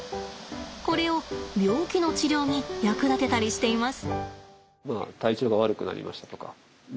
これを病気の治療に役立てたりしています。